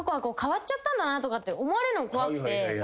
こう思われるのも怖くて。